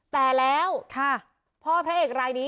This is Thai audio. แต่แล้วพ่อพระเอกรายนี้